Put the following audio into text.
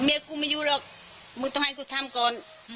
กูไม่อยู่หรอกมึงต้องให้กูทำก่อน